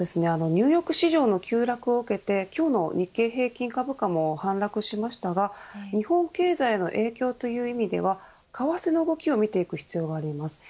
ニューヨーク市場の急落を受けて今日の日経平均株価も反落しましたが日本経済への影響という意味では為替の動きを見ていく必要があります。